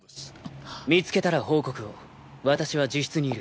「見つけたら報告を私は自室にいる」